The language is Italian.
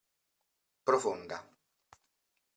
Profonda.